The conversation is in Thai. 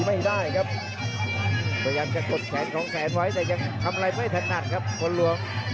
ไม่ได้ครับพยายามจะกดแขนของแสนไว้แต่ยังทำอะไรไม่ถนัดครับคนหลวง